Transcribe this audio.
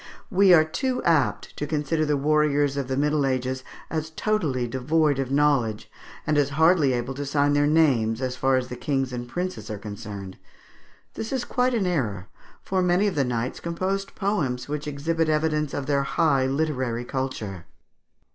We are too apt to consider the warriors of the Middle Ages as totally devoid of knowledge, and as hardly able to sign their names, as far as the kings and princes are concerned. This is quite an error; for many of the knights composed poems which exhibit evidence of their high literary culture.